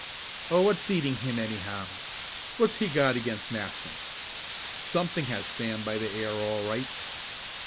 "Oh, what's eating him, anyhow?" "What's he got against Matson?" "Something has Sam by the ear all right."